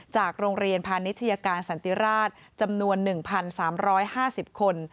จากโรงเรียนพาณิชยาการสันติราชจำนวน๑๓๕๐คน